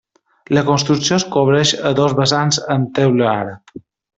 La construcció es cobreix a dos vessants amb teula àrab.